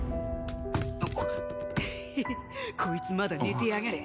ヘヘッこいつまだ寝てやがる。